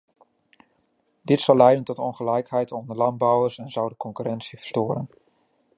Dit zou leiden tot ongelijkheid onder landbouwers en zou de concurrentie verstoren.